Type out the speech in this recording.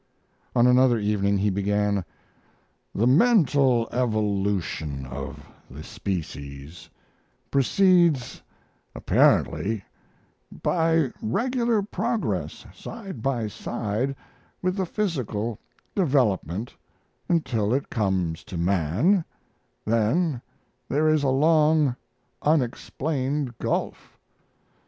On another evening he began: "The mental evolution of the species proceeds apparently by regular progress side by side with the physical development until it comes to man, then there is a long, unexplained gulf.